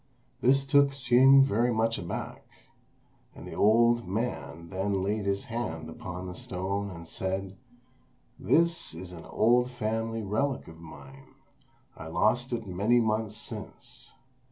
This took Hsing very much aback; and the old man then laid his hand upon the stone and said, "This is an old family relic of mine: I lost it many months since.